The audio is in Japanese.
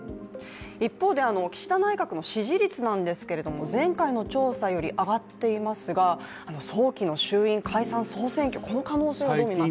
一方で、岸田内閣の支持率なんですけども前回の調査より上がっていますが、早期の衆院解散総選挙の可能性はどう見ますか。